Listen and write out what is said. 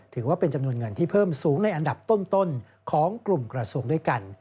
ถือว่าเป็นจำนวนเงินที่เพิ่มสูงในอันดับต้นของกลุ่มกระทรวงด้วยกัน